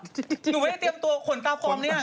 หนูไม่ได้เตรียมตัวขนตาพร้อมเนี่ย